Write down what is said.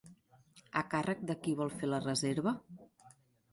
A càrrec de qui vol fer la reserva?